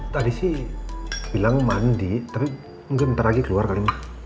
tadi sih bilang mandi tapi mungkin ntar lagi keluar kalinya